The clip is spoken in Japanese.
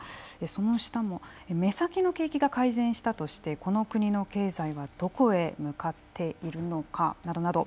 その下も目先の景気が改善したとしてこの国の経済はどこへ向かっているのかなどなど。